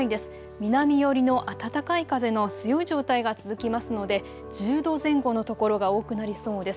南寄りの暖かい風の強い状態が続きますので１０度前後の所が多くなりそうです。